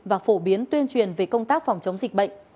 và phổ biến tuyên truyền về công tác phòng chống dịch bệnh